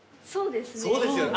そうですね。